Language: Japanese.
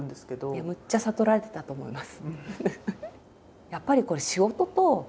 むっちゃ悟られてたと思います。